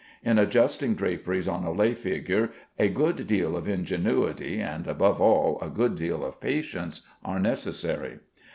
In adjusting draperies on a lay figure a good deal of ingenuity, and, above all, a good deal of patience, are necessary.